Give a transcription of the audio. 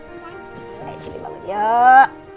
ashley bangun yuk